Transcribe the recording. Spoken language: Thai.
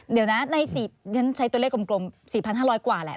เดี๋ยวนะใน๔ฉันใช้ตัวเลขกลม๔๕๐๐กว่าแหละ